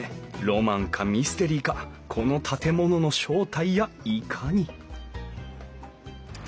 ロマンかミステリーかこの建物の正体やいかに！